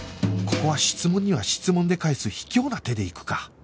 ここは質問には質問で返す卑怯な手でいくか